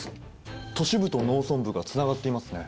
都市部と農村部がつながっていますね。